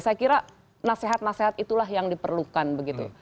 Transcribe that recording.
saya kira nasehat nasehat itulah yang diperlukan begitu